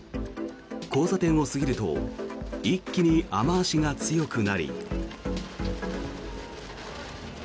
交差点を過ぎると一気に雨脚が強くなり。